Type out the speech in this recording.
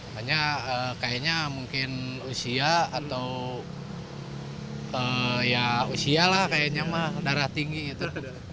hanya kayaknya mungkin usia atau ya usia lah kayaknya mah darah tinggi gitu